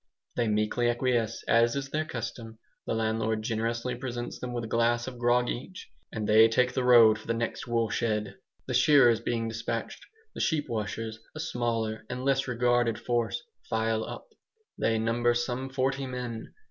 They meekly acquiesce, as is their custom. The landlord generously presents them with a glass of grog each, and they take the road for the next woolshed. The shearers being despatched, the sheep washers, a smaller and less regarded force, file up. They number some forty men.